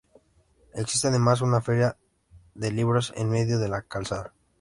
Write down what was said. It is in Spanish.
Existe, además, una feria de libros en medio de la calzada.